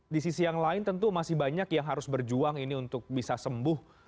di sisi yang lain tentu masih banyak yang harus berjuang ini untuk bisa sembuh